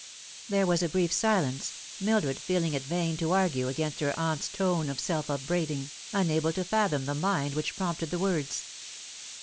There was a brief silence, Mildred feeling it vain to argue against her aunt's tone of self upbraiding, unable to fathom the mind which prompted the words.